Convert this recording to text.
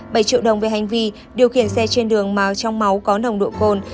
bảy triệu đồng về hành vi điều khiển xe trên đường màu trong máu có nồng độ cồn